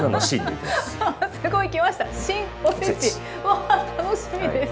わあ楽しみです。